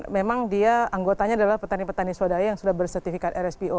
memang dia anggotanya adalah petani petani swadaya yang sudah bersertifikat rspo